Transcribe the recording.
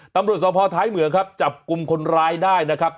ตำรวจสภท้ายเหมืองครับจับกลุ่มคนร้ายได้นะครับ